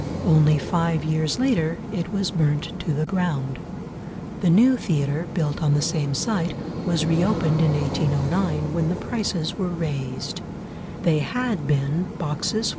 Only five years later it was burnt to the ground. The new theatre, built on the same site, was reopened in 1809, when the prices were raised: they had been, boxes 4s.